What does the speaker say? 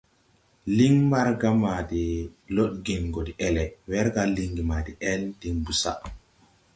Liŋ Mbargā ma de lɔdgen gɔ deʼele, wɛrga lingi ma deʼel din bosaʼ.